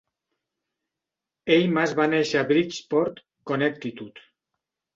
Eimas va néixer a Bridgeport, Connecticut.